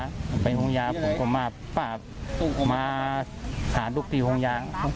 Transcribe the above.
ออกไปโฮงยาผมก็มาป้ามาหาลูกดีโฮงยา